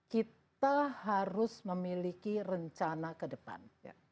kita harus memiliki rencana ke depan